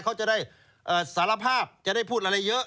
เขาจะได้สารภาพจะได้พูดอะไรเยอะ